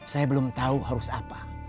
saya belum tahu harus apa